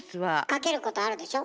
かけることあるでしょ？